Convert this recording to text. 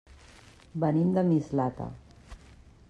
Venim de Mislata.